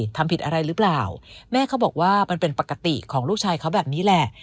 ทำผิดอะไรหรือเปล่าแม่เขาบอกว่ามันเป็นปกติของลูกชายเขาแบบนี้แหละ